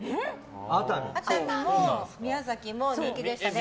熱海も宮崎も人気でしたね。